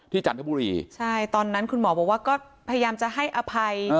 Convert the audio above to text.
จันทบุรีใช่ตอนนั้นคุณหมอบอกว่าก็พยายามจะให้อภัย